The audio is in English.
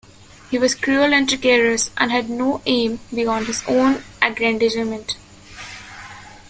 He was cruel and treacherous, and had no aim beyond his own aggrandizement.